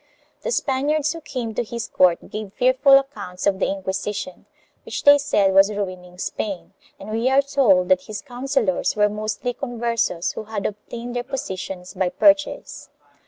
The Spaniards who came to his court gave fearful accounts of the Inquisition, which they said was ruining Spain, and we are told that his counsellors were mostly Converses who had obtained their positions by purchase.